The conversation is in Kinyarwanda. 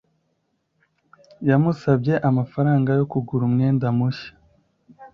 yamusabye amafaranga yo kugura umwenda mushya